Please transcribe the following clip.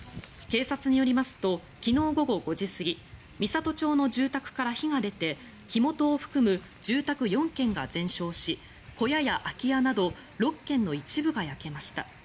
警察によりますと昨日午後５時過ぎ美郷町の住宅から火が出て火元を含む住宅４軒が全焼し小屋や空き家など６軒の一部が焼けました。